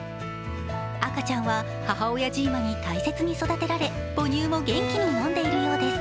赤ちゃんは母親ジーマに大切に育てられ、母乳も元気に飲んでいるようです。